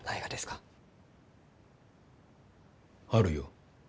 あるよ。